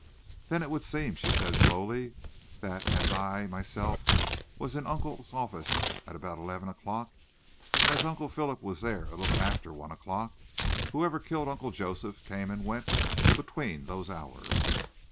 "Then it would seem," she said slowly, "that as I, myself, was in Uncle's office at about eleven o'clock, and as Uncle Philip was there a little after one o'clock, whoever killed Uncle Joseph came and went away between those hours."